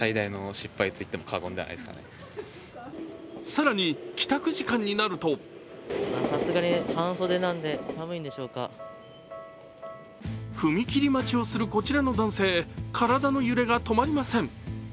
更に、帰宅時間になると踏切待ちをするこちらの男性、体の揺れが止まりません。